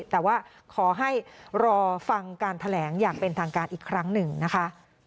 แต่ว่าขอให้รอฟังการแถลงอย่างเป็นทางการอีกครั้งหนึ่งนะคะ